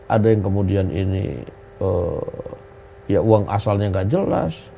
ada yang kemudian ini ya uang asalnya nggak jelas